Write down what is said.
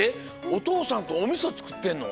おとうさんとおみそつくってんの？